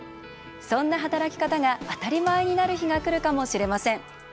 そんな働き方が当たり前になる日がくるかもしれません。